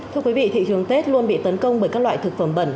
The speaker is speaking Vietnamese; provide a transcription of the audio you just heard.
thưa quý vị thị trường tết luôn bị tấn công bởi các loại thực phẩm bẩn